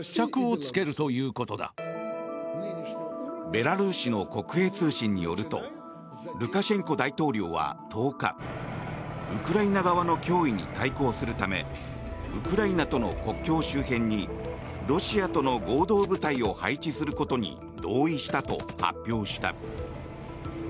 ベラルーシの国営通信によるとルカシェンコ大統領は１０日ウクライナ側の脅威に対抗するためウクライナとの国境周辺にロシアとの合同部隊を配置することに同意したと発表した。